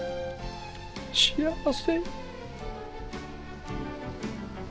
幸せ。